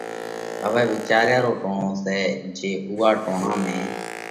هوئہ وِيچاريا رو ٽوڻو سئہ جي اُوئا ٽوڻا ۾